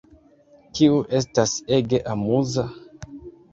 Kiu estas ege amuza